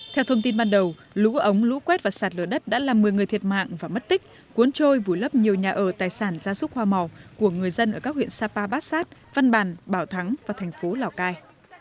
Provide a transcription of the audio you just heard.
theo thông tin ban đầu lũ ống lũ quét và sạt lửa đất đã làm một mươi người thiệt mạng và mất tích cuốn trôi vùi lấp nhiều nhà ở tài sản gia súc hoa màu của người dân ở các huyện sapa bát sát văn bàn bảo thắng và thành phố lào cai